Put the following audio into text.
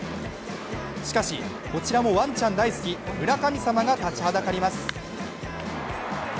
しかし、こちらもワンちゃん大好き村神様が立ちはだかります。